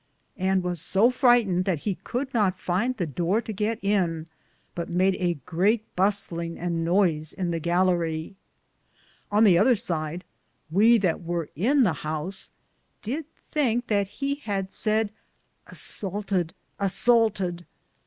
and was so frighted that he could not finde the doore to gitt in, but made a great buslinge and noyse in the gallarie. On the other side, we that weare in the house, did thinke that he had saide : Assalted ! assalted